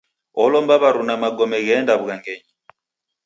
Olomba w'aruna magome gheenda w'ughangenyi.